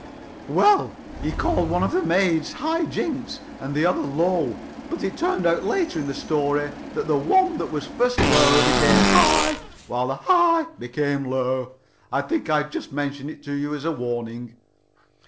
"Well, he called one of his maids High Jinks and the other Low, but it turned out later in the story that the one that was first Low became High, while High became Low. I thought I'd just mention it to you as a warning."